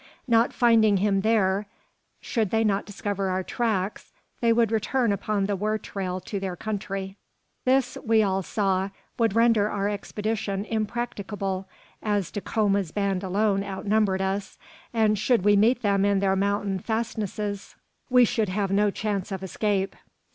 Not finding him there, should they not discover our tracks, they would return upon the war trail to their country. This, we all saw, would render our expedition impracticable, as Dacoma's band alone outnumbered us; and should we meet them in their mountain fastnesses, we should have no chance of escape.